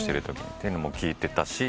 そういうのも聞いてたし。